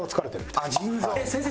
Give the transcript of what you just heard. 先生